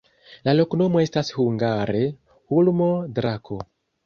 La loknomo estas hungare: ulmo-drako.